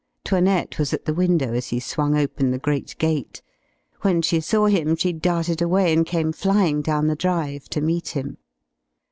'Toinette was at the window as he swung open the great gate. When she saw him she darted away and came flying down the drive to meet him.